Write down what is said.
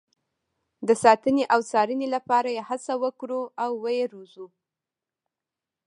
د ساتنې او څارنې لپاره یې هڅه وکړو او ویې روزو.